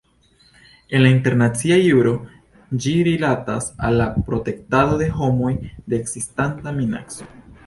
En internacia juro ĝi rilatas al la "protektado de homoj de ekzistanta minaco".